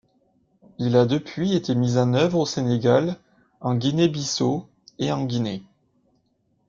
Il a depuis été mis en œuvre au Sénégal, en Guinée-Bissau et en Guinée.